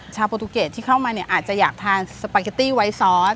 โปรตูเกตที่เข้ามาเนี่ยอาจจะอยากทานสปาเกตตี้ไว้ซอส